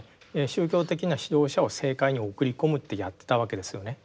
宗教的な指導者を政界に送り込むってやってたわけですよね。